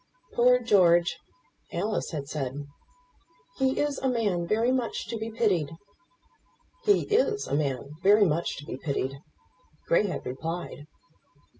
"Poor George!" Alice had said; "he is a man very much to be pitied." "He is a man very much to be pitied," Grey had replied.